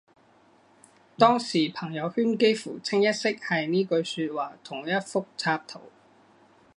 當時朋友圈幾乎清一色係呢句說話同一幅插圖